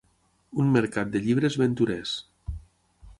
Un mercat de llibres venturers.